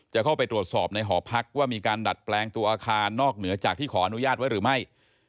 จะเข้าไปตรวจสอบในหอพักว่ามีการดัดแปลงตัวอาคารนอกเหนือจากที่ขออนุญาตไว้หรือไม่